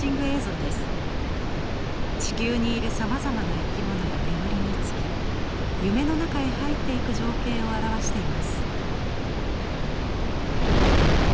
地球にいるさまざまな生き物が眠りにつき夢の中へ入っていく情景を表しています。